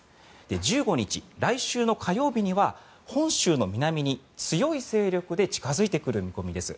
１５日、来週の火曜日には本州の南に強い勢力で近付いてくる見込みです。